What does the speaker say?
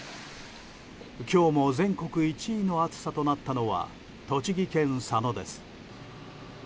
今日も全国１位の暑さとなったのは栃木県佐野です。